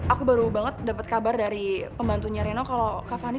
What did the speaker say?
aku baru banget dapat kabar dari pembantunya reno kalau kak fani